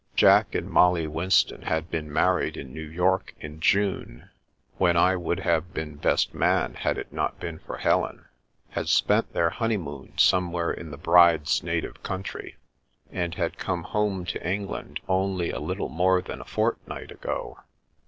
Jack and Molly Winston had been married in New York in Jime (when I would have been best man had it not been for Helen), had spent their honeymoon somewhere in the bride's native country, and had come " home *' to England only a little more than a fortnight ago.